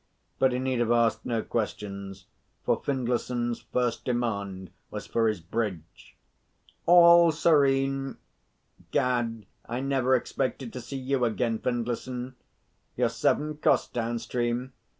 But he need have asked no questions, for Findlayson's first demand was for his bridge. "All serene! 'Gad, I never expected to see you again, Findlayson. You're seven koss downstream.